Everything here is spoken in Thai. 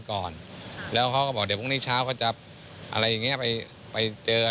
ก่อนแล้วเขาก็บอกเดี๋ยวพรุ่งนี้เช้าเขาจะอะไรอย่างเงี้ยไปไปเจอ